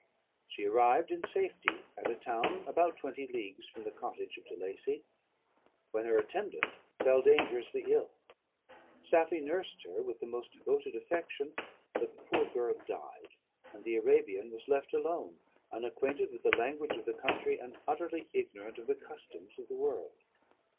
"She arrived in safety at a town about twenty leagues from the cottage of De Lacey, when her attendant fell dangerously ill. Safie nursed her with the most devoted affection; but the poor girl died, and the Arabian was left alone, unacquainted with the language of the country, and utterly ignorant of the customs of the world.